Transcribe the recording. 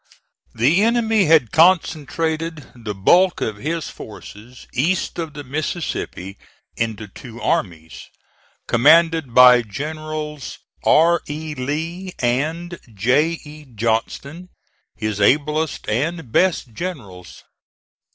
The enemy had concentrated the bulk of his forces east of the Mississippi into two armies, commanded by Generals R. E. Lee and J. E. Johnston, his ablest and best generals.